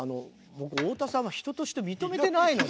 僕太田さんは人として認めてないので」。